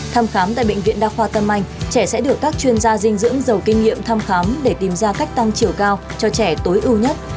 thăm khám tại bệnh viện đa khoa tâm anh trẻ sẽ được các chuyên gia dinh dưỡng giàu kinh nghiệm thăm khám để tìm ra cách tăng chiều cao cho trẻ tối ưu nhất